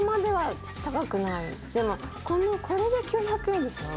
「でもこれで９００円でしょ？」